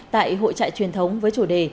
tại hội trại truyền thống với chủ đề